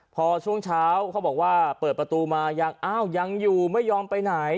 พอช่วงเช้าเขาบอกว่าเปิดประตูมายังอ้าวยังอยู่ไม่ยอมไปไหน